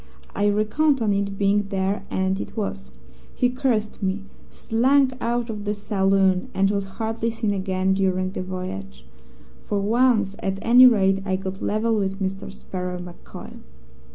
I reckoned on it being there, and it was. He cursed me, slunk out of the saloon, and was hardly seen again during the voyage. For once, at any rate, I got level with Mister Sparrow MacCoy.